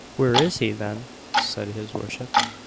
"Where is he, then?" said his worship.